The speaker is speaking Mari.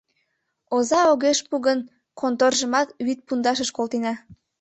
Оза огеш пу гын, конторыжымат вӱд пундашыш колтена.